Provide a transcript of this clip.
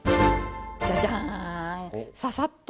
じゃじゃん！